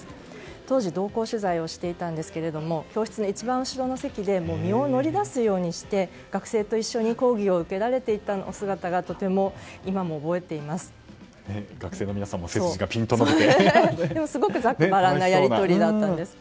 当時同行取材をしていたんですが教室の一番後ろの席で身を乗り出すようにして学生と一緒に講義を受けられていたお姿を学生の皆さんもでも、すごくざっくばらんなやりとりだったんです。